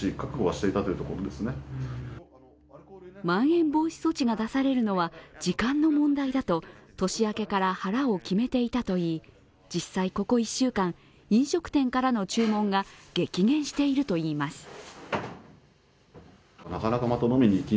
まん延防止措置が出されるのは時間の問題だと年明けから腹を決めていたといい実際ここ１週間飲食店からの注文が激減しているといいます。